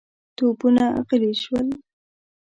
توپونه غلي شول.